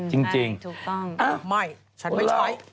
จริงถูกต้องไม่ฉันไม่ใช้